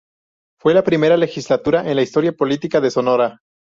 Fue la primera legislatura en la historia política de Sonora.